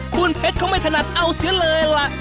คุณเพชรเขาไม่ถนัดเอาเสียเลยล่ะ